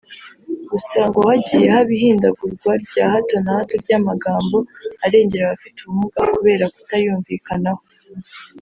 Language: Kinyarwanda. Gusa ngo hagiye haba ihindagurwa rya hato na hato ry’amagambo arengera abafite ubumuga kubera kutayumvikanaho